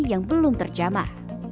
yang belum terjamah